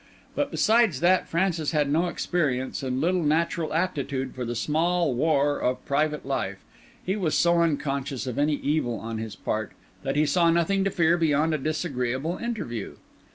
But besides that Francis had no experience and little natural aptitude for the small war of private life, he was so unconscious of any evil on his part, that he saw nothing to fear beyond a disagreeable interview.